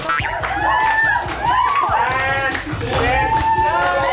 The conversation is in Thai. แป๊บสุดยอด